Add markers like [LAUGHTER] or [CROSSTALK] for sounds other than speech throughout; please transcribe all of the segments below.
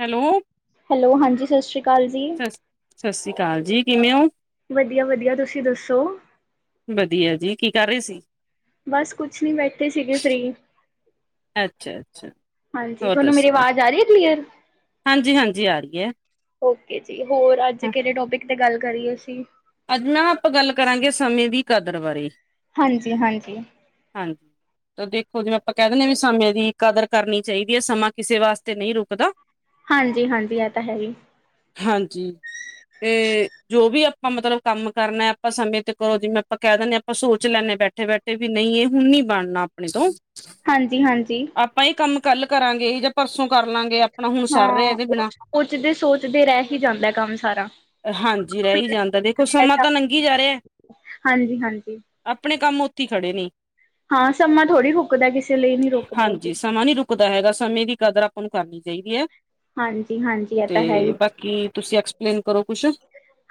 Hello. Hello ਹਾਂਜੀ ਸਤਿ ਸ਼੍ਰੀ ਅਕਾਲ ਜੀ। ਸਤਿ ਸ੍ਰੀ ਅਕਾਲ ਜੀ। ਕਿਵੇਂ ਹੋ? ਵਧੀਆ ਵਧੀਆ, ਤੁਸੀਂ ਦੱਸੋ? ਵਧੀਆ ਜੀ, ਕੀ ਕਰ ਰੇ ਸੀ? ਬਸ ਕੁਛ ਨੀ ਬੈਠੇ ਸੀਗੇ ਫ੍ਰੀ। ਅੱਛਾ ਅੱਛਾ। ਹਾਂਜੀ। ਹੋਰ ਤੁਹਾਨੂੰ ਮੇਰੀ ਦੱਸੋ ਆਵਾਜ਼ ਆ ਰਹੀ ਐ ਕਲੀਅਰ? ਹਾਂਜੀ ਹਾਂਜੀ ਆ ਰੀ ਐ। ਓਕੇ ਜੀ ਹੋਰ ਅੱਜ ਕਿਹੜੇ ਟੋਪਿਕ ਤੇ ਗੱਲ ਕਰੀਏ ਅਸੀਂ। ਅੱਜ ਨਾ ਆਪਾਂ ਗੱਲ ਕਰਾਂਗੇ ਸਮੇਂ ਦੀ ਕਦਰ ਬਾਰੇ। ਹਾਂਜੀ ਹਾਂਜੀ। ਹਾਂਜੀ। ਤਾਂ ਦੇਖੋ ਜਿਵੇਂ ਆਪਾਂ ਕਹਿ ਦਿੰਦੇ ਹ ਵੀ ਸਮੇਂ ਦੀ ਕਦਰ ਕਰਨੀ ਚਾਹੀਦੀ ਐ ਸਮਾਂ ਕਿਸੇ ਵਾਸਤੇ ਨਹੀਂ ਰੁਕਦਾ। ਹਾਂਜੀ ਹਾਂਜੀ ਇਹ ਤਾਂ ਹੈ ਈ। ਹਾਂਜੀ ਤੇ ਜੋ ਵੀ ਆਪਾਂ ਮਤਲਬ ਕੰਮ ਕਰਨਾ ਆਪਾਂ ਸਮੇਂ ਤੇ ਕਰੋ ਜਿਵੇਂ ਆਪਾਂ ਕਹਿ ਦਿੰਦੇ ਹਾਂ ਆਪਾਂ ਸੋਚ ਲੈਂਦੇ ਬੈਠੇ ਬੈਠੇ ਤੇ ਵੀ ਨਹੀਂ ਇਹ ਹੁਣ ਨੀ ਬਣਨਾ ਆਪਣੇ ਤੋਂ। ਹਾਂਜੀ ਹਾਂਜੀ। ਆਪਾਂ ਏ ਕੰਮ ਕੱਲ ਕਰਾਂਗੇ ਜਾਂ ਪਰਸੋਂ ਕਰ ਲਾਂਗੇ। ਹੁਣ ਸਰ ਰਿਹਾ ਹਾਂ ਇਹਦੇ ਬਿਨਾਂ ਉਹ ਸੋਚਦੇ ਸੋਚਦੇ ਰਹਿ ਹੀ ਜਾਂਦਾ ਕੰਮ ਸਾਰਾ। ਹਾਂਜੀ ਰਹਿ ਈ ਜਾਂਦਾ ਦੇਖੋ ਸਮਾਂ ਤਾਂ ਨੰਗੀ ਜਾ ਰਿਹਾ। ਹਾਂਜੀ ਹਾਂਜੀ। ਆਪਣੇ ਕੰਮ ਉੱਥੇ ਈ ਖੜੇ ਨੇ। ਹਾਂ ਸਮਾਂ ਥੋੜੀੁ ਰੁਕ [UNINTELLIGIBLE] ਕਿਸੇ ਲਇ ਵੀ ਹਾਂਜੀ ਸਮਾਂ ਨੀ ਰੁਕਦਾ ਹੈਗਾ ਸਮੇਂ ਦੀ ਕਦਰ ਅਪਾਂ ਨੂੰ ਕਰਨੀ ਚਾਹੀਦੀ ਏ। ਹਾਂਜੀ ਹਾਂਜੀ ਇਹ ਤੇ ਤਾਂ ਹੈ ਹੀ ਬਾਕੀ ਤੁਸੀਂ ਐਕਸਪਲੇਨ ਕਰੋ ਕੁਛ।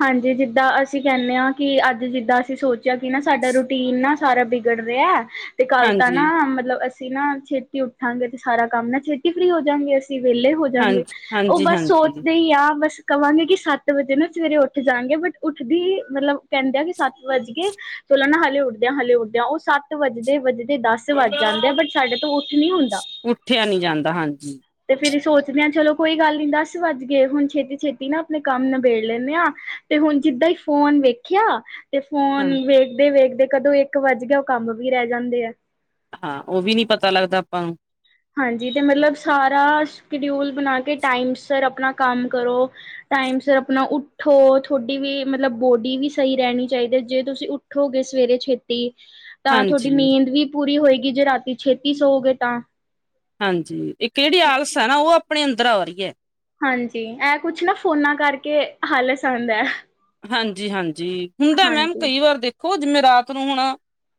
ਹਾਂਜੀ ਜਿੱਦਾਂ ਅਸੀਂ ਕੇਨੇ ਆ ਕਿ ਅੱਜ ਜਿੱਦਾਂ ਅਸੀਂ ਸੋਚਿਆ ਕਿ ਨਾ ਸਾਡਾ ਰੂਟੀਨ ਨਾ। ਸਾਰਾ ਬਿਗੜ ਰਿਆ ਤੇ ਕੱਲ ਤਾਂ ਨਾ ਹਾਂਜੀ ਮਤਲਬ ਅਸ ਸੀ ਨਾ ਛੇਤੀ ਉੱਠਾਂਗੇ ਤੇ ਸਾਰਾ ਕੰਮ ਨਾ ਛੇਤੀ ਫ੍ਰਰੀ ਹੋ ਜਾਾਂਗੇ ਅਸੀਂ ਵਹਲੇ ਹੋ ਜਾ ਗੇ ਹਾਂਜੀ ੳ ਹਾਂਜੀ ਬਸ ਹਾਂਜੀ ਸੋਚਦੇ ਇ ਆ ਬਸ ਕਵਾਂਗੇ ਕਿ ਸੱਤ ਵਜੇ ਨਾ ਸਵੇਰੇ ਉੱਠ ਜਾਂਗੇ ਬਟ ਉੱਠਦੀ ਮਤਲਬ ਕੇਂਦੇ ਆ ਕਿ ਸੱਤ ਵੱਜ ਗੇ ਚਲੋ ਨਾ ਹਲੇ ਉੱਠਦੇ ਆਂ ਹਲੇ ਉੱਠਦੇ ਆਂ ਅ ਸੱਤ ਵੱਜਦੇ-ਵੱਜਦੇ ਦੱਸ। ਸ ਵਜ ਜਾਂਦੇ ਆ ਬਟ ਸਾਡੇ ਤੋਂ ਉੱਠ ਨੀ ਹੁੰਦਾ। ਉੱਠਿਆ ਨੀ ਜਾਂਦਾ ਹਾਂਜੀ ਤੇ ਫੇਰ ਸੋਚਦੇ ਆ, ਚਲੋ ਕੋਈ ਗੱਲ ਨੀ ਦੱਸ ਵੱਜ ਗੇ ਹੁਣ ਛੇਤੀ ਛੇਤੀ ਨਾ ਆਪਣੇ ਕੰਮ ਨਬੇੜ ਲੈਂਦੇ ਆ ਤੇ ਹੁਣ ਜਿੱਦਾ ਈ ਈ ਫੋਨ ਵੇਖਿਆ ਤੇ ਹਾਂ ਫੋਨ ਵੇਖ ਵੇਖਦੇ ਵੇਖਦੇ ਕਦੋਂ ਏਕ ਵੱਜ ਗਿਆ ਉਹ ਕੰਮ ਵੀ ਰਹਿ ਜਾਂਦੇ ਐ। ਹਾਂ, ਉਵੀ ਨੀ ਪਤਾ ਲੱਗਦਾ ਅਪਾਂ ਨੂੰ। ਹਾਂਜੀ ਤੇ ਮਤਲਬ ਸਾਰਾ ਸ਼ਡਿਊਲ ਬਣਾ ਕੇ ਟਾਈਮ ਸਿਰ ਆਪਣਾ ਕੰਮ ਕਰੋ। ਟਾਇਮ ਸੇ ਆਪਣਾ ਉੱਠੋ ਤੋਹਡੀ ਵੀ ਮਤਲਬ ਬੋਡੀ ਵੀ ਸਹੀ ਰੇਣੀ ਚਾਇਦੀ ਏ ਜੇ ਤੁਸੀਂ ੳਠੋ। ੳਠੋ ਗੇ ਸਵੇਰੇ ਛੇਤੀ। ਤਾਂ ਤੁਹਾਡੀ ਹਾਂਜੀ ਨੀਂਦ ਵੀ ਪੂਰੀ ਹੋਏਗੀ ਜੇ ਰਾਤੀ ਛੇਤੀ ਸੌੋਗੇ ਤਾਂ। ਹਾਂਜੀ ਏਕ ਏਦੇ ਆਲਸ ਏ ਨਾ ਉ ਅਪਣੇ ਅੰਦਰ ਆ ਰੀ ਏ। ਹਾਂਜੀ ਏਹ ਕੁਛ ਨਾ ਫੋਨਾਂ ਕਰਕੇ ਆਲਸ ਆਂਦਾ। ਹਾਂਜੀ- ਹਾਂਜੀ ਹੁੰਦੇ ਮੈਮ ਕਈ ਵਾਰ ਦੇਖ ਉ ਜਿਮੇ ਰਾਤ ਨੂੰ ਹੁਣ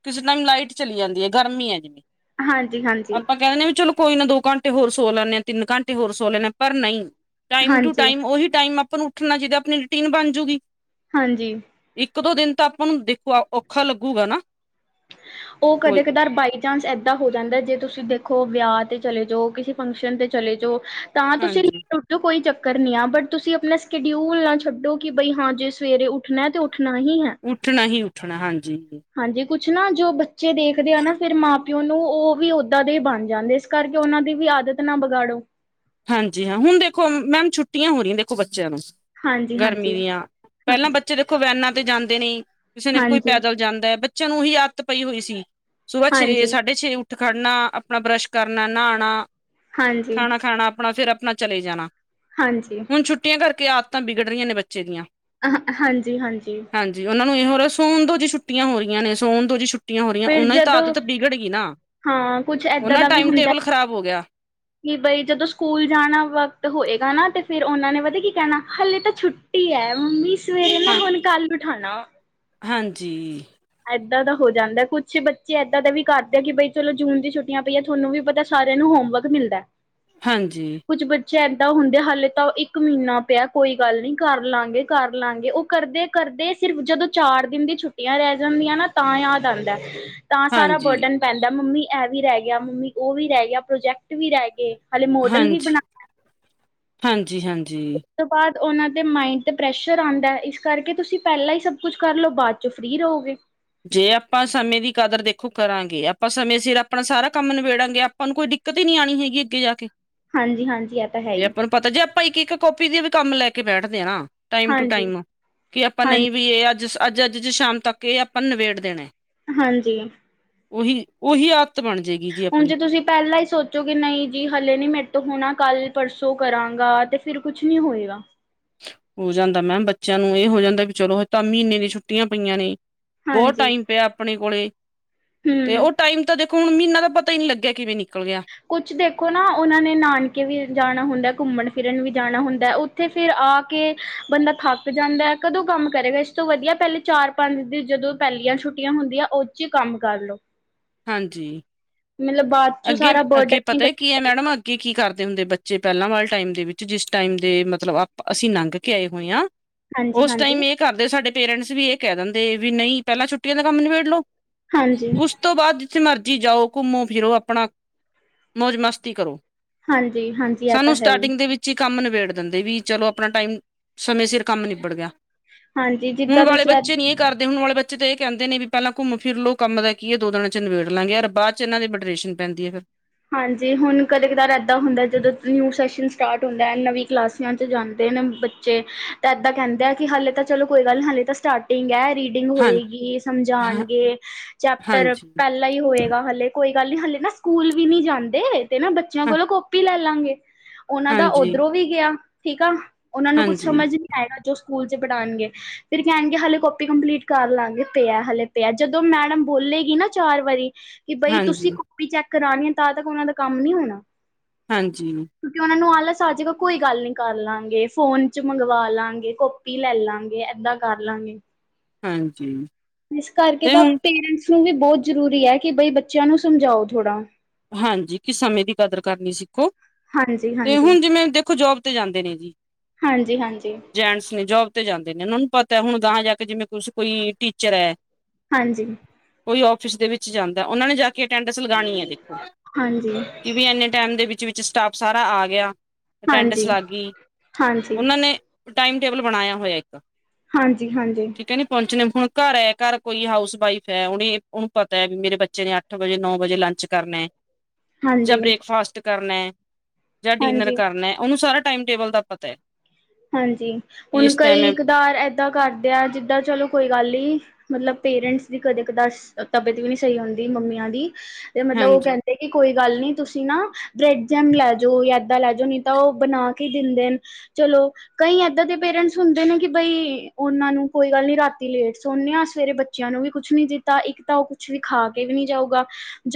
ਕਿਸੇ ਟਾਈਮ ਲਾਈਟ ਚਲੀ ਜਾਂਦੀ ਏ ਗਰਮੀ ਏ ਜਿਨੀ। ਹਾਂਜੀ, ਹਾਂਜੀ, ਆਪਾਂ ਕਹਿ ਦਿਨੇ ਵੀ ਚਲੋ। ਕੋਈ ਨਾ ਦੋ ਘੰਟੇ ਹੋਰ ਸੋ ਲੈਂਨੇ ਆ ਤਿੰਨ ਘੰਟੇ ਹੋਰ ਸੋ ਲੈਨੇ ਆ ਪਰ ਨਹੀਂ। ਟਾਈਮ ਟੂ ਹਾਂਜੀ। ਟਾਈਮ ਉਹੀ ਟਾਈਮ ਆਪਾਂ ਨੂੰ ਉੱਠਣਾ ਜਿਦਾਂ ਆਪਣੀ ਰੂਟੀਨ ਬਣ ਜੂੁਗੀ। ਹਾਂਜੀ। ਇੱਕ ਦੋ ਦਿਨ ਤਾਂ ਆਪਾਂ ਨੂੰ ਦੇਖੋ ਔਖਾ ਲੱਗੂਗਾ ਨਾ। ਉ ਕਦੇ ਕੋਈ ਕਦਾਰ ਬਾਈ ਚਾਂਸ ਏਦਾਂ ਹੋ ਜਾਂਦਾ ਜੇ ਤੁਸੀਂ ਦੇਖੋ ਵਿਆਹ ਤੇ ਚਲੇ ਜਾੳ ਕਿਸੇ ਫੰਕਸ਼ਨ 'ਤੇ ਚਲੇ ਜਾੳ। ਤਾਂ ਤੁਸੀਂ [INAUDIBLE] ਹਾਂਜੀ ਤੇ ਕੋਈ ਚੱਕਰ ਨੀ ਆ ਬਟ ਤੁਸੀਂ ਆਪਣਾ ਸਕਡਿਊਲ ਨਾ ਛੱਡੋ ਕਿ ਬਈ ਹਾਂ ਜੇ ਸਵੇਰੇ ਉੱਠਣੇ ਤੇ ਉੱਠਣਾ ਹੀ ਹੈ। ਉੱਠਣਾ ਹੀ ਉੱਠਣਾ ਹਾਂਜੀ। ਹਾਂਜੀ ਕੁਛ ਨਾ ਜੋ ਬੱਚੇ ਦੇਖਦੇ ਆ ਨਾ ਫੇਰ ਮਾਂ ਪਿਓ ਨੂੰ ਉ ਵੀ ਓਦਾਂ ਦੇ ਬਣ ਜਾਂਦੇ। ਕਰਕੇ ਉਨਾਂ ਦੀ ਵੀ ਆਦਤ ਨਾ ਬਗਾੜੋ। ਹਾਂਜੀ ਹਾਂ ਹੁਣ ਦੇਖੋ ਮੈਮ ਛੁੱਟੀਆਂ ਹੋ ਰਹੀਆਂ ਦੇਖੋ ਬੱਚਿਆਂ ਨੂੰ। ਹਾਂਜੀ, ਗਰਮੀ ਹਾਂਜੀ, ਦੀਆਂ ਪਹਿਲਾਂ ਹਾਂਜੀ, ਬੱਚੇ ਬੱਚੇ ਦੇਖੋ ਵੈਨਾਂ ਤੇ ਜਾਂਦੇ ਨੇ ਕਿਸੇ ਨੇ ਕੋਈ ਹਾਂਜੀ, ਪੈਦਲ ਜਾਂਦਾ ਬੱਚਿਆਂ ਨੂੰ ਉਹੀ ਆਦਤ ਪਈ ਹੋਈ ਸੀ। ਸੁਬਹ ਛੇ ਹਾਂਜੀ, ਸਾਢੇ ਛੇ ਉੱਠ ਖੜ੍ਹਨਾ ਆਪਣਾ ਬਰੱਸ਼ ਕਰਨਾ ਨਾ੍ਹਣਾ। ਹਾਂਜੀ, ਖਾਣਾ ਖਾਣਾ, ਆਪਣਾ ਫੇਰ ਅਪਣਾ ਚਲੇ ਜਾਣਾ। ਹਾਂਜੀ। ਹੁਣ ਛੁੱਟੀਆਂ ਕਰਕੇ ਆਦਤਾਂ ਵਿਗੜ ਰਹੀਆਂ ਨੇ ਬੱਚੇ ਦੀਆਂ। ਅ ਹ ਹਾਂਜੀ ਹਾਂਜੀ। ਹਾਂਜੀ ਉਨਾਂ ਨੂੰ ਇਹ ਹੋ ਰਿਹਾ ਸੋਨ ਦੋ ਜੀ ਛੁੱਟੀਆਂ ਹੋ ਰਹੀਆਂ ਨੇ ਸੋਣ ਦੋ ਜੀ ਛੁੱਟੀ। ਛੁੱਟੀਆਂ ਹੋ ਰਹੀਆਂ ਫਿਰ ਉਨਾਂ ਦੀ ਤਾ ਜਦੋਂ ਆਦਤ ਬਿਗੜ ਗੀ ਨਾ ਹਾਂ ਕੁਛ ਏਦਾਂ ਉਨਾਂ ਦਾ ਵੀ ਟਾਈਮ ਹੁੰਦਾ ਟੇਬਲ ਖ਼ਰਾਬ ਹੋ ਗਿਆ। ਕਿ ਬਈ ਜਦੋਂ ਸਕੂਲ ਜਾਣਾ ਵਕਤ ਹੋਏਗਾ ਨਾ ਤੇ ਫੇਰ ਉਨਾਂ ਨੇ ਪਤਾ ਕੀ ਕਹਿਣਾ ਹਲੇ ਤਾਂ ਛੁੱ ਛੁੱਟੀ ਏ ਮੰਮੀ ਸਵੇਰੇ ਨਾ ਹਾਂ ਹੁਣ ਕੱਲ ਉਠਾਣਾ। ਹਾਂਜੀ। ਏਦਾਂ ਦਾ ਹੋ ਜਾਂਦਾ। ਕੁਛ ਬੱਚੇ ਏਦਾਂ ਦੇ ਵੀ ਕਰਦੇ ਕਿ ਬਈ ਚਲੋ ਜੂਨ ਦੀ ਛੁੱਟੀਆਂ ਪਈਆਂ ਥੋਨੂੰ ਵੀ ਪਤਾ ਸਾਰਿਆਂ ਨੂੰ ਹੋਮਵਰਕ ਮਿਲਦੇ। [INAUDIBLE] ਹਾਂਜੀ। ਕੁੱਝ ਬੱਚੇ ਏਦਾਂ ਹੁੰਦੇ ਹਾਲੇ ਤਾਂ ਉਹ ਇੱਕ ਮਹੀਨਾ ਪਿਆ ਕੋਈ ਗੱਲ ਨੀ ਕਰ ਲਾਂਗੇ ਕਰ ਲਾਂਗੇ ਉਹ ਕਰਦੇ ਕਰਦੇ ਸਿਰਫ ਜਦੋਂ ਚਾਰ ਦਿਨ ਦੀ ਛੁੱਟੀਆਂ ਰਹਿ ਜਾਂਦੀਆਂ ਨਾ ਤਾਂ ਯਾਦ ਆਉਂਦਾ। ਤਾਂ ਸਾਰਾ ਹਾਂਜੀ ਬਰਡਨ ਪੈਂਦਾ ਮੰਮੀ ਇਹ ਵੀ ਰਹਿ ਗਿਆ ਮੰਮੀ ਉਹ ਵੀ ਰਹਿ ਗਿਆ ਪ੍ਰੋਜੈਕਟ ਵੀ ਰਹਿ ਗਏ। ਹਾਲੇ ਮੋਡਲ ਵੀ ਹਾਂਜੀ ਬਣਾ ਹਾਂਜੀ ਹਾਂਜੀ। ਉਸ ਤੋਂ ਬਾਅਦ ਉਹਨਾਂ ਦੇ ਮਾਇੰਡ 'ਤੇ ਪ੍ਰੈਸ਼ਰ ਆਉਂਦਾ ਇਸ ਕਰਕੇ ਤੁਸੀਂ ਪਹਿਲਾਂ ਹੀ ਸਭ ਕੁਝ ਕਰ ਲਓ ਬਾਅਦ ਚੋਂ ਫਰੀ ਰਹੋਗੇ। ਜੇ ਆਪਾਂ ਸਮੇਂ ਦੀ ਕਦਰ ਦੇਖੋ ਕਰਾਂਗੇ ਆਪਾਂ ਸਮੇਂ ਸਿਰ ਆਪਣਾ ਸਾਰਾ ਕੰਮ ਨਿਬੇੜਾਂਗੇ। ਕੋਈ ਦਿੱਕਤ ਹੀ ਨੀ ਆਉਣੀ ਹੈਗੀ ਅੱਗੇ ਜਾ ਕੇ। ਹਾਂਜੀ ਹਾਂਜੀ ਇਹ ਤਾਂ ਹੈ ਜੇ ਹੀ। ਆਪਾਂ ਨੂੰ ਪਤਾ ਜੇ ਆਪਾਂ ਇੱਕ ਇੱਕ ਕਾਪੀ ਦੇ ਵੀ ਕੰਮ ਲੈ ਕੇ ਬੈਠਦੇ ਹਾਂ ਨਾ। ਟਾਈਮ ਟੂ ਹਾਂਜੀ ਟਾਈਮ ਕਿ ਆਪਾਂ ਹਾਂਜੀ ਨਹੀਂ ਵੀ ਇਹ ਅੱਜ ਅੱਜ ਅੱਜ ਸ਼ਾਮ ਤੱਕ ਇਹ ਆਪਾਂ ਨਿਬੇੜ ਦੇਣਾ। ਹਾਂਜੀ। ਉਹੀ ਉਹੀ ਆਦਤ ਬਣ ਜਾਏ ਹੁਣ ਜੇ ਤੁਸੀਂ ਪਹਿਲਾਂ ਹੀ ਸੋਚ ਸੋਚੋਗੇ ਨਹੀਂ ਜੀ ਹਲੇ ਨੀ ਮੇਰੇ ਤੋਂ ਹੋਣਾ ਕੱਲ-ਪਰਸੋਂ ਕਰਾਂਗਾ ਤੇ ਫਿਰ ਕੁਛ ਨੀ ਹੋਏਗਾ। ਹੋ ਜਾਂਦਾ ਮੈਮ ਬੱਚਿਆਂ ਨੂੰ ਇਹ ਹੋ ਜਾਂਦਾ ਵੀ ਚਲੋ ਤਾਂ ਮਹੀਨੇ ਦੀ ਛੁੱਟੀਆਂ ਪਈਆਂ ਨੇ। ਬਹੁਤ ਹਾਂਜੀ ਟਾਈਮ ਪਿਆ ਆਪਣੇ ਕੋਲੇ ਤੇ ਹੂੰ ਉਹ ਟਾਈਮ ਤਾਂ ਦੇਖ ਹੁਣ ਮਹੀਨਾ ਦਾ ਪਤਾ ਹੀ ਨੀ ਲੱਗਿਆ ਕਿਵੇਂ ਨਿਕਲ ਗਿਆ। ਕੁਛ ਦੇਖੋ ਨਾ ਉਹਨਾਂ ਨੇ ਨਾਨਕੇ ਵੀ ਜਾਣਾ ਹੁੰਦਾ ਘੁੰਮਣ ਫਿਰਨ ਵੀ ਜਾਣਾ ਹੁੰਦਾ। ਤੇ ਫਿਰ ਆ ਕੇ ਬੰਦਾ ਥੱਕ ਜਾਂਦਾ ਹੈ ਕਦੋਂ ਕੰਮ ਕਰੇਗਾ ਇਸ ਤੋਂ ਵਧੀਆ ਪਹਿਲੇ ਚਾਰ ਪੰਜ ਦੀ ਜਦੋਂ ਪਹਿਲੀਆਂ ਛੁੱਟ ਹੁੰਦੀਆਂ ਉਹ ਚ ਹੀ ਕੰਮ ਕਰਲੋ। ਹਾਂਜੀ। ਮਤਲਬ ਬਾਅਦ ਚੋਂ ਅੱਗੇ ਸਾਰਾ ਅੱਗੇ ਬਰਡਨ ਪਤਾ ਕੀ ਇਕੱਠਾ ਹੈ ਮੈਡਮ। ਕਰਨਾ ਕੀ ਕੀ ਕਰਦੇ ਹੁੰਦੇ ਬੱਚੇ ਪਹਿਲਾਂ ਵਾਲੇ ਟਾਈਮ ਦੇ ਵਿੱਚ ਜਿਸ ਟਾਈਮ ਦੇ ਮਤਲਬ ਆਪ ਅਸੀਂ ਲੰਘ ਕੇ ਆਏ ਹੋਏ ਹੈ। ਹਾਂਜੀ ਉਸ ਟਾਈਮ ਹਾਂਜੀ ਇਹ ਕਰਦੇ ਸਾਡੇ ਪੇਰੈਂਟਸ ਵੀ ਇਹ ਕਹਿ ਦਿੰਦੇ ਵੀ ਨਹੀਂ ਪਹਿਲਾਂ ਛੁੱਟੀਆਂ ਦਾ ਕੰਮ ਨਿਬੇੜ ਲੋ। ਹਾਂਜੀ ਉਸ ਤੋਂ ਬਾਅਦ ਜਿੱਥੇ ਮਰਜ਼ੀ ਜਾਓ ਘੁੰਮੋ ਫਿਰੋ ਆਪਣਾ ਮੌਜ ਮਸਤੀ ਕਰੋ। ਹਾਂਜੀ ਹਾਂਜੀ ਇਹ ਤਾਂ ਸਾਨੂੰ ਹੈ ਹੀ ਸਟਾਰਟਿੰਗ ਦੇ ਵਿੱਚ ਚੀ ਕੰਮ ਨਿਬੇੜ ਦਿੰਦੇ ਵੀ ਚਲੋ ਆਪਣਾ ਟਾਈਮ ਸਮੇਂ ਸਿਰ ਕੰਮ ਨਿਬੜ ਗਿਆ। ਹਾਂਜੀ ਹੁਣ ਜਿੱਦਾਂ ਵਾਲੇ ਤੁਸੀਂ ਬੱਚੇ ਨਹੀਂ ਇਹ ਕਰਦੇ। ਹੁਣ ਵਾਲੇ ਬੱਚੇ ਤੇ ਇਹ ਕਹਿੰਦੇ ਨੇ ਵੀ ਪਹਿਲਾਂ ਘੁੰਮ ਫਿਰ ਲੋਓ ਕੰਮ ਦਾ ਕੀ ਹੈ ਦੋ ਦਿਨਾਂ ਚ ਨਿੇੜ ਲਾਂਗੇ ਯਰ ਬਾਅਦ ਚ ਇਹ ਦੇ ਵਡਰੇਸ਼ਨ ਪੈਂਦੀ ਹੈ ਫਿਰ ਹਾਂਜੀ ਹੁਣ ਕਦੇ ਕਦਾਰ ਇੱਦਾਂ ਹੁੰਦਾ ਜਦੋਂ ਨਿਊ ਸੈਸ਼ਨ ਸਟਾਰਟ ਹੁੰਦਾ ਨਵੀਂ ਕਲਾਸਾਂ 'ਜਾਂਦੇ ਨੇ ਬੱਚੇ ਬੱਚੇ ਤਾਂ ਇਏਦਾਂ ਕਹਿੰਦੇ ਆ ਕਿ ਹਾਲੇ ਤਾਂ ਚਲੋ ਕੋਈ ਗੱਲ ਨਹੀਂ ਹਾਲੇ ਤਾਂ ਸਟਾਰਟਿੰਗ ਹੈ ਰੀ ਹਾਂ [UNINTELLIGIBLE] ਹਾਂ ਸਮਝਾਣਗੇ ਚੈਪਟਰ ਹਾਂਜੀ ਪਹਿ ਹੀ ਹੋਏਗਾ ਹਲੇੇ ਕੋਈ ਗੱਲ ਨੀ ਹਲੇੇ ਨਾ ਸਕੂਲ ਵੀ ਨੀ ਜਾਂਦੇ ਤੇ ਨਾ ਬੱਚਿਆਂ ਹਾਂ ਕੋਲੋਂ ਕਾਪੀ ਲੈ। ਲੈ ਲਾਂਗੇ ਉਹਨਾਂ ਦਾ ਹਾਂਜੀ ਉੱਧਰੋਂ ਵੀ ਗਿਆ ਠੀਕ ਆ ਉਹਨਾਂ ਨੂੰ ਕੁੱਛ ਹਾਂਜੀ ਸਮਝ ਨਹੀਂ। ਆਇਗਾ ਜੋ ਸਕੂਲ ਚ ਪੜ੍ਹਾਉਣਗੇ। ਫਿਰ ਕਹਿਣਗੇ ਹਲੇੇ ਕਪੀ ਕੰਪਲੀਟ ਕਰ ਲਾਂਗੇ ਪਿਆ ਹਲੇ ਪਿਆ ਜਦੋਂ ਮੈਡਮ ਬੋਲੇਗੀ ਨਾ ਚਾਰ ਵਾਰੀ। ਕਿ ਬਈ ਤੁਸੀਂ ਹਾਂਜੀ ਕਾਪੀ ਚੈੱਕ ਕਰਣੀ ਆ ਤਾਂ ਤੱਕ ਉਹਨਾਂ ਦਾ ਕੰਮ ਨਹੀਂ ਹੋਣਾ। ਹਾਂਜੀ। ਕਿਉਂਕਿ ਉਹਨਾਂ ਨੂੰ ਆਲਸ ਆ ਜ੍ਹ ਕੋਈ ਗੱਲ ਨੀ ਕਰ ਲਵਾਂਗੇ ਫੋਨ ਚ ਮੰਗਵਾ ਲਵਗੇ ਕੋ। ਕੌਪੀ ਲੈ ਲਵਾਂਗੇ ਏਦਾਂ ਕਰ ਲਾਂਗੇ। ਹਾਂਜੀ। ਇਸ ਕਰਕੇ ਤੇ ਤਾਂ ਹੁਣ ਪੇਰੈਂਟਸ ਨੂੰ ਵੀ ਬਹੁਤ ਜ਼ਰੂਰੀ ਹੈ ਕਿ ਬਈ ਬੱਚਿਆਂ ਨੂੰ ਸਮਝਾਓ ਥੋੜ੍ਹਾ। ਹਾਂਜੀ ਕਿ ਸਮੇਂ ਦੀ ਕਦਰ ਕਰਨੀ ਸਿੱਖੋ। ਹਾਂਜੀ, ਤੇ ਹਾਂਜੀ, ਹੁਣ ਜਿਵੇਂ ਦੇਖੋ ਜੋਬ ਤੇ ਜਾਂਦੇ ਨੇ ਜੀ। ਹਾਂਜੀ ਹਾਂਜੀ। ਜੈਂਟਸ ਨੇ ਜੋਬ ਤੇ ਜਾਂਦੇ ਨੇ ਉਹਨਾਂ ਨੂੰ ਪਤਾ ਹੁਣ ਗਾਹ ਜਾ ਕੇ ਜਿਵੇਂ ਕੁਛ ਕੋਈ ਟੀਚਰ ਐ ਹਾਂਜੀ ਕੋਈ ਔਫਿਸ ਦੇ ਵਿੱਚ ਜਾਂਦਾ ਉਹਨਾਂ ਨੇ ਜਾ ਕੇ ਅਟੈਂਡੈਂਸ ਲਗਾਣੀ ਹੈ ਹਾਂਜੀ, ਕਿ ਵੀ ਇੰਨੇ ਟੈਮ ਦੇ ਵਿੱਚ-ਵਿਚ ਸਟਾਫ ਸਾਰਾ ਆ ਗਿਆ ਅਟੈਂਡਸ ਹਾਂਜੀ, ਲਗ ਗਈ ਹਾਂਜੀ, ਉਹਨਾਂ ਨੇ ਟਾਈਮ ਟੇਬਲ ਬਨਾਇਆ ਹੋਇਆ ਇੱਕ ਹਾਂਜੀ ਹਾਂਜੀ ਠੀਕ ਹੈ ਨੀ ਪਹੁੰਚਣੇ ਹੁਣ ਘਰ ਹੈ ਘਰ ਕੋਈ ਹਾਊਸ ਵਾਈਫ ਹੈ ਉਹਨੇ ਉਹਨੂੰ ਪਤਾ ਹੈ ਵੀ ਮੇਰੇ ਬੱਚੇ ਨੇ ਅੱਠ ਵਜੇ ਨੌ ਵਜੇ ਲੰਚ ਕਰਨਾ ਜਾਂ ਹਾਂਜੀ। ਬ੍ਰੇਕਫਾਸਟ ਕਰਨਾ ਹੈ ਜਾਂ ਡਿਨਰ ਹਾਂਜੀ ਕਰਨਾ ਓਹਨੂੰ ਸਾਰਾ ਟਾਈਮ ਟੇਬਲ ਦਾ ਪਤਾ ਹੈ ਹਾਂਜੀ ਕਿ ਹੁਣ ਇਸ ਟਾਈਮ ਕਈ ਹੈ। ਇਕਦਾਰ ਏਦਾਂ ਕਰਦੇ ਆਂ ਜਿੱਦਾਂ ਚਲੋ ਕੋਈ ਗੱਲ ਨੀ ਮਤਲਬ ਪੇਰੈਂਟਸ ਦੀ ਕਦੇ ਕਦਾਰ ਤਬੀਅਤ ਵੀ ਨਹੀਂ ਸਹੀ ਹੁੰਦੀ ਮੰਮੀਆਂ ਦੀ ਤੇ ਮਤਲਬ ਉਹ ਹਾਂਜੀ ਕਹਿੰਦੇ ਕੋਈ ਗੱਲ ਨਹੀਂ ਤੁਸੀਂ ਨਾ ਬ੍ਰੈਡ ਜੈਮ ਲੈਜਓ ਤਾਂ ਏਦਾਂ ਲੈਜਓ ਨਹੀਂ ਤਾਂ ਓਹ ਬਣਾ ਕੇ ਦਿੰਦੇਨ ਚਲੋ ਕਈ ਏਦਾਂ ਦੇ ਪੇਰੈਂਟਸ ਹੁੰਦੇ ਨੇ ਕਿ ਬਈ ਓਹਨਾਂ ਨੂੰ ਕੋਈ ਗੱਲ ਨੀ ਰਾਤੀ ਲੇਟ ਸੌਦੇ ਆ ਸਵੇਰੇ ਬੱਚੇ ਬੱਚਿਆਂ ਨੂੰ ਵੀ ਕੁਛ ਨੀ ਦਿੱਤਾ ਇੱਕ ਤਾਂ ਓਹ ਕੁੱਛ ਵੀ ਖਾ ਕੇ ਵੀ ਨੀ ਜਾਊਗਾ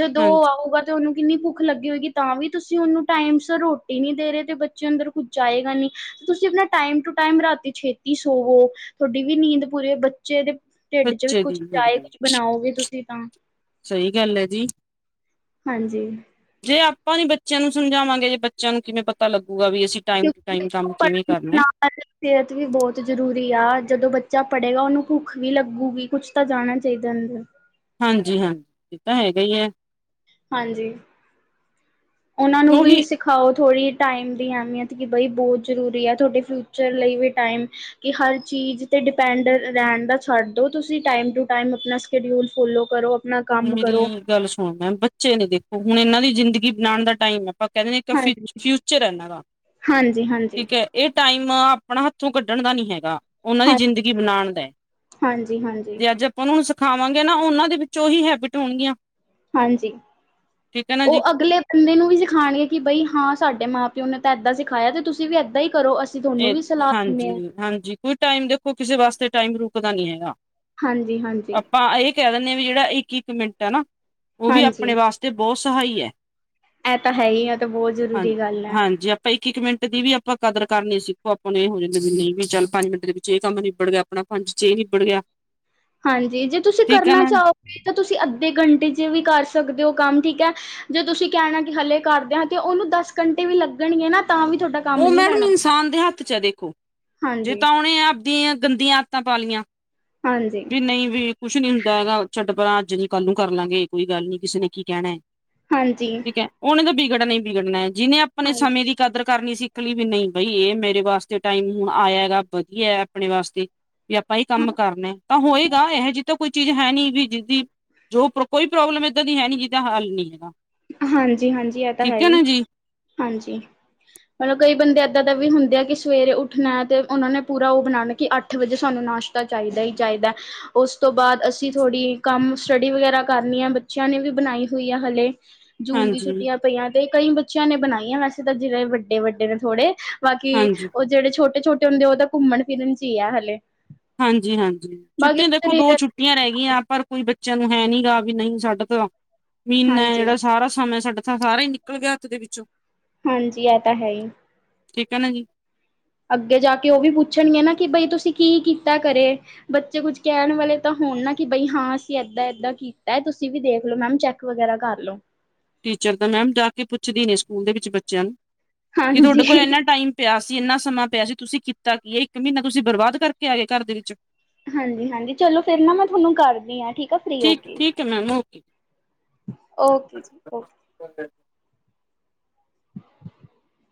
ਜਦੋਂ ਓਹ ਹਾਂਜੀ ਆਊਗਾ ਤੇ ਓਹਨੂੰ ਕਿੰਨੀ ਭੁੱਖ ਲੱਗੀ ਹੋਏਗੀ ਤਾਂ ਵੀ ਤੁਸੀਂ ਓਹਨੂੰ ਟਾਈਮ ਸ ਰੋਟੀ ਨੀ ਦੇ ਰਹੇ ਤੇ ਬੱਚੇ ਅੰਦਰ ਕੁੱਝ ਜਾਏਗਾ ਨੀ ਤੁਸੀਂ ਆਪਣਾ ਟਾਈਮ ਟੂ ਟੈਅਮ ਰਾਤੀ ਛੇਤੀ ਸੋਵੋ ਤੁਹਾਡੀ ਵੀ ਨੀਂਦ ਪੂਰੇ ਬੱਚੇ ਦੇ ਢਿੱਡ ਚ ਵੀ ਬੱਚੇ ਦੀ ਕੁਛ ਚਾਏ ਕੁਛ ਬਣਾਓਗੇ ਤੁਸੀਂ ਤਾਂ ਸਹੀ ਗੱਲ ਐ ਜੀ ਹਾਂਜੀ ਜੇ ਆਪਾਂ ਨੀ ਬੱਚਿਆਂ ਨੂੰ ਸਮਝਾਵਾਂਗੇ ਜੇ ਬੱਚਿਆਂ ਨੂੰ ਕਿਵੇਂ ਪਤਾ ਲੱਗੂਗਾ ਵੀ ਅਸੀਂ ਟਾਈਮ ਟੂ ਕਿਉਂਕਿ ਟਾਈਮ ਕੰਮ ਕਿਵੇਂ ਪੜ੍ਹਨ ਕਰਨੈ ਨਾਲ ਸਿਹਤ ਵੀ ਬਹੁਤ ਜ਼ਰੂਰੀ ਆ ਜਦੋਂ ਬੱਚਾ ਪੜ੍ਹੇਗਾ ਉਹਨੂੰ ਭੁੱਖ ਵੀ ਲੱਗੂਗੀ ਕੁਛ ਤਾਂ ਜਾਣਾ ਚਾਹੀਦਾ ਦਾ ਹਾਂਜੀ-ਹਾਂਜੀ ਤਾਂ ਹੈਗਾ ਹੀ ਹੈ। ਹਾਂਜੀ ਉਹਨਾਂ ਨੂੰ ਵੀ ਉਹੀ ਸਿੱ ਖਾਓ ਥੋੜ੍ਹੀ ਟਾਈਮ ਦੀ ਅਹਿਮੀਅਤ ਕਿ ਬਈ ਬਹੁਤ ਜ਼ਰੂਰੀ ਐ ਤੁਹਾਡੇ ਫਿਊਚਰ ਲਈ ਵੀ ਟਾਈਮ ਕਿ ਹਰ ਚੀਜ਼ ਤੇ ਡਿਪੈਂਡ ਰਹਿਣ ਦਾ ਛੱਡ ਦੋ ਤੁਸੀਂ ਟਾਈਮ ਟੂ ਟਾਈਮ ਆਪਣਾ ਸ਼ੈਡਿਊਲ ਫੋਲੋ ਕਰੋ ਆਪਣਾ ਕੰਮ ਮੇਰੀ ਕਰੋ ਗੱਲ ਸੁਣ ਮੈਂ ਬੱਚੇ ਨੇ ਦੇਖੋ ਹੁਣ ਇਹਨਾਂ ਦੀ ਜ਼ਿੰਦਗੀ ਬਣਾਉਣ ਦਾ ਟਾਈਮ ਹੈ ਆਪਾਂ ਕਹਿੰਦੇ ਇੱਕ ਫਿ ਹਾਂਜੀ ਫਿਊਚਰ ਹੈਨਾਂ ਦਾ ਹਾਂਜੀ ਹਾਂਜੀ ਠੀਕ ਹੈ ਇਹ ਟਾਈਮ ਆਪਣਾ ਹੱਥੋਂ ਕੱਢਣ ਦਾ ਨੀ ਹੈਗਾ ਉਹਨਾਂ ਦੀ ਹਾਂ ਜ਼ਿੰਦਗੀ ਬਣਾਣ ਦਾ ਹਾਂਜੀ ਹਾਂਜੀ ਜੇ ਅੱਜ ਉਹਨਾਂ ਨੂੰ ਸਿਖਾਵਾਂਗੇ ਨਾ ਉਹਨਾਂ ਦੇ ਵਿੱਚੋਂ ਹੀ ਹੈਬਿਟ ਹੋਣਗੀਆਂ ਹਾਂਜੀ ਠੀਕ ਹੈ ਨਾ ਜੀ ਓਹ ਅਗਲੇ ਬੰਦੇ ਨੂੰ ਵੀ ਸਿਖਾਣਏ ਕਿ ਬਈ ਹਾਂ ਸਾਡੇ ਮਾਂ ਪਿਓ ਨੇ ਤਾਂ ਏਦਾਂ ਸਿਖਾਇਆ ਤੇ ਤੁਸੀਂ ਵੀ ਏਦਾਂ ਹੀ ਕਰੋ ਅਸੀਂ ਤੁਹਾਨੂੰ ਇਹ ਵੀ ਸਲਾਹ ਦਿੰਦੇ ਹਾਂ ਹਾਂਜੀ-ਹਾਂਜੀ ਕੁਛ ਟਾਈਮ ਦੇਖੋ ਕਿਸੇ ਵਾਸਤੇ ਟਾਈਮ ਰੁਕਦਾ ਨੀ ਹੈਗਾ ਹਾਂਜੀ ਹਾਂਜੀ ਆਪਾਂ ਇਹ ਕਹਿ ਦਿੰਦੇ ਵੀ ਜਿਹੜਾ ਇੱਕ-ਇੱਕ ਮਿੰਟ ਹੈ ਨਾ ਓਹ ਵੀ ਹਾਂਜੀ ਆਪਣੇ ਵਾਸਤੇ ਬਹੁਤ ਸਹਾਈ ਹੈ ਇਹ ਤਾਂ ਹੈ ਹੀ ਆ ਤਾਂ ਬਹੁਤ ਹਾਂ ਜ਼ਰੂਰੀ ਗੱਲ ਹੈ ਹਾਂਜੀ ਇੱਕ-ਇੱਕ ਮਿੰਟ ਦੀ ਵੀ ਆਪਾਂ ਕਦਰ ਕਰਨੀ ਸਿੱਖੋ ਆਪਾਂ ਨੂੰ ਇਹ ਹੋ ਜਾਂਦੇ ਵੀ ਨਹੀਂ ਵੀ ਚੱਲ ਪੰਜ ਮਿੰਟ ਦੇ ਵਿੱਚ ਇਹ ਕੰਮ ਨਿਬੜ ਗਿਆ ਆਪਣਾ ਪੰਜ ਚ ਇਹ ਨਿਬੜ ਗਿਆ ਹਾਂਜੀ ਜੇ ਤੁਸੀਂ ਠੀਕ ਹੈ ਕਰਨਾ ਨਾ ਚਾਹੋਗੇ ਤਾਂ ਤੁਸੀਂ ਅੱਧੇ ਘੰਟੇ ਚ ਵੀ ਕਰ ਸਕਦੇ ਹੋ ਕੰਮ ਠੀਕ ਹੈ ਜੇ ਤੁਸੀਂ ਕਹਿਣਾ ਕਿ ਹਾਲੇੇ ਕਰ ਦੇਯਾਂਗੇ ਓਹਨੂੰ ਦਸ ਘੰਟੇ ਵੀ ਲੱਗਣਗੇ ਨਾ ਤਾਂ ਵੀ ਤੋਹਾਡਾ ਓਹ ਮੈਡਮ ਇਨਸਾਨ ਦੇ ਹੱਥ ਚ ਆ ਦੇਖੋ ਜੇ ਹਾਂਜੀ ਤਾਂ ਓਹਨੇ ਆ ਦੀਆਂ ਗੰਦੀਆਂ ਆਦਤਾਂ ਪਾ ਲਈਆਂ ਹਾਂਜੀ ਵੀ ਨਂਈ ਵੀ ਕੁਛ ਨੀ ਹੁੰਦਾ ਹੈਗਾ ਛੱਡ ਪਰਾਂ ਅੱਜ ਦੀ ਕੱਲ ਨੂੰ ਕਰ ਲਾਂਗੇ ਕੋਈ ਗੱਲ ਨੀ ਕਿਸੇ ਨੇ ਕੀ ਕੈਹਣੈ ਹਾਂਜੀ ਓਹਨੇ ਤਾਂ ਬਿਗੜਣਾ ਈ ਬਿਗੜਨਾ ਐ ਜਿਹਨੇ ਆਪਣੇ ਹਾਂਜੀ ਸਮੇਂ ਦੀ ਕਦਰ ਕਰਨੀ ਸਿੱਕ ਲੀ ਵੀ ਨਹੀਂ ਬਈ ਇਹ ਮੇਰੇ ਵਾਸਤੇ ਟਾਈਮ ਹੁਣ ਆਇਆ ਹੈਗਾ ਵਧੀਆ ਆਪਣੇ ਵਾਸਤੇ ਵੀ ਆਪਾਂ ਹੀ ਹਾਂ ਕੰਮ ਕਰਨੇ ਤਾਂ ਹੋਏਗਾ ਇਹੋ ਜਿ ਤ ਕੋਈ ਚੀਜ਼ ਹੈ ਨੀ ਵੀ ਜਿਦੀ ਜੋ ਕੋਈ ਪ੍ਰੋਬਲਮ ਏਦਾਂ ਦੀ ਹੈ ਨੀ ਜਿਦਾਾਂ ਹੱਲ ਨੀ ਹੈਗਾ। ਹਾਂਜੀ ਹਾਂਜੀ ਇਹ ਤਾਂ ਹੈ ਠੀਕ ਹੀ, ਨਾ ਜੀ ਹਾਂਜੀ। ਮਤਲਬ ਕਈ ਬੰਦੇ ਏਦਾਂ ਦਾ ਵੀ ਹੁੰਦੇ ਆ ਕਿ ਸਵੇਰੇ ਉੱਠਣਾ ਤੇ ਉਹਨਾਂ ਨੇ ਪੂਰਾ ਉਹ ਬਣਾਉਣਾ ਕਿ ਆ ਉੱਥੇ ਵਜੇ ਸਾਨੂੰ ਨਾਸ਼ਤਾ ਚਾਹੀਦਾ ਹੀ ਚਾਹੀਦਾ। ਉਸ ਤੋਂ ਬਾਅਦ ਅਸੀਂ ਥੋੜ੍ਹੀ ਕੰਮ ਸਟੱਡੀ ਵਗੈਰਾ ਕਰਨੀ ਆ ਬੱਚਿਆਂ ਨੇ ਵੀ ਬਣਾਈ ਹੋਈ ਆ ਹਲੇ। ਜੂਨ ਦੀ ਹਾਂਜੀ ਛੁੱਟੀਆਂ ਪਈਆਂ ਤੇ ਕਈ ਬੱਚਿਆਂ ਨੇ ਬਣਾਈਆਂ ਵੈਸੇ ਤਾਂ ਜਿਹੜੇ ਵੱਡੇ ਵੱਡੇ ਨੇ ਥੋੜੇ। ਬਾਕੀ ਹਾਂਜੀ ਉਹ ਜਿਹੜੇ ਛੋਟੇ ਛੋਟੇ ਹੁੰਦੇ ਉਹ ਤਾਂ ਘੁੰਮਣ ਫਿਰਨ ਚ ਹੀ ਆ ਹਲੇ। ਹਾਂਜੀ ਹਾਂਜੀ। ਬਾਕੀ ਛੁੱਟੀ ਦੇਖੋ ਦੋ ਛੁੱ ਛਟੀਆਂ ਰਹਿ ਗਈਆਂ ਪਰ ਕੋਈ ਬੱਚਿਆਂ ਨੂੰ ਹੈ ਨੀ ਗਾ ਵੀ ਨਹੀਂ ਸਾਡੇ ਤਾਂ ਮੀਨਾ ਜੇੜਾ ਹਾਂਜੀ-ਹਾਂਜੀ ਸਾਰਾ ਸਮਾਂ ਸਾਡਾ ਥਾਂ ਸਾਰਾ ਹੀ ਨਿਕਲ ਗਿਆ ਹੱਥ ਦੇ ਵਿੱਚੋਂ ਹਾਂਜੀ, ਏ ਤਾਂ ਹੈਈ। ਠੀਕ ਐ ਨਾ ਜੀ। ਅੱਗੇ ਜਾ ਕੇ ਓ ਵੀ ਪੁੱਛਣਗੀਆਂ ਨਾ ਕਿ ਬਈ ਤੁਸੀਂ ਕੀ ਕੀਤਾ ਕਰੇ? ਬੱਚੇ ਕੁੱਝ ਕੈਂਣ ਵਾਲੇ ਤਾਂ ਹੋਣ ਨਾ, ਕਿ ਬਈ ਹਾਂ ਅਸੀਂ ਏਦਾਂ-ਏਦਾਂ ਕੀ ਐ ਤੁਸੀ ਵੀ ਦੇਖ ਲੋ, ਮੈਮ ਚੈੱਕ ਵਗੈਰਾ ਕਰ ਲੋ। ਟੀਚਰ ਦਾ ਮੈਮ ਜਾ ਕੇ ਪੁੱਛਦੀ ਨੀ ਸਕੂਲ ਦੇ ਵਿੱਚ ਬੱਚਿਆਂ ਨੂੰ ਕੀ ਹਾਂਜੀ ਤੁਆਡੇ ਕੋਲ ਇਨਾ ਟਾਈਮ ਪਿਆ ਸੀ ਇੰਨਾ ਸਮਾਂ ਪਿਆ ਸੀ ਤੁਸੀਂ ਕੀਤਾ ਕੀਏ? ਇੱਕ ਮੀਨਾ ਤੁਸੀਂ ਬਰਬਾਦ ਕਰਕੇ ਆ ਗਏ, ਘਰ ਦੇ ਵਿੱਚ। ਹਾਂਜੀ-ਹਾਂਜੀ ਚਲੋ, ਫੇਰ ਨਾ ਮੈਂ ਥੋਨੂੰ ਕਰਦੀ ਆਂ, ਠੀਕ। ਫ੍ਰੀ ਹੋਕੇ, ਠੀਕ ਹੈ ਮੈਮ ਓਕੇ ਓਕੇ ਜੀ ਓਕੇ। [UNINTELLIGIBLE]